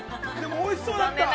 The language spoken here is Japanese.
おいしそうだった。